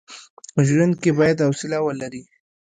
ژوند کي بايد حوصله ولري.